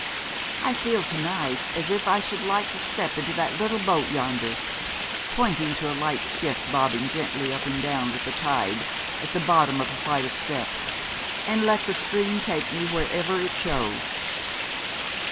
I feel to night as if I should like to step into that little boat yonder,' pointing to a light skiff bobbing gently up and down with the tide, at the bottom of a flight of steps, 'and let the stream take me wherever it chose.'